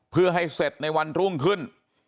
เพื่อให้เสร็จในวันรุ่งขึ้น